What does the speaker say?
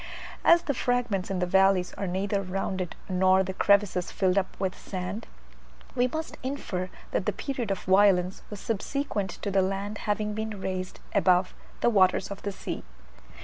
As the fragments in the valleys are neither rounded nor the crevices filled up with sand, we must infer that the period of violence was subsequent to the land having been raised above the waters of the sea.